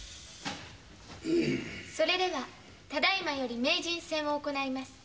それではただ今より名人戦を行います。